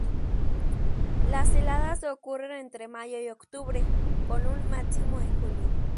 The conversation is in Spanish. Las heladas ocurren entre mayo y octubre, con un máximo en julio.